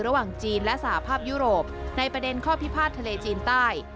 ระหว่างจีนและสหภาพยุโรปในประเด็นข้อพิพาททะเลจีนใต้